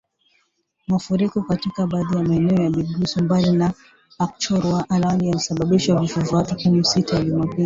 Mafuriko katika baadhi ya maeneo ya Bugisu, Mbale na Kapchorwa awali yalisababisha vifo vya watu kumi siku ya Jumapili